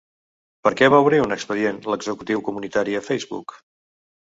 Per què va obrir un expedient l'executiu comunitari a Facebook?